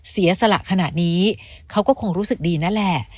เสียสละขนาดนี้เขาก็คงรู้สึกดีนั่นแหละ